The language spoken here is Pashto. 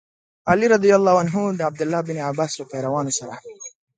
علي رض د عبدالله بن سبا له پیروانو سره.